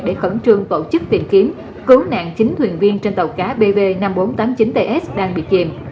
để khẩn trương tổ chức tìm kiếm cứu nạn chín thuyền viên trên tàu cá bv năm nghìn bốn trăm tám mươi chín ts đang bị chìm